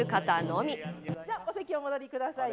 じゃあ、お席にお戻りくださいね。